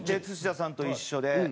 土田さんと一緒で。